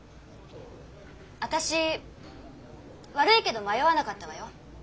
私悪いけど迷わなかったわよ。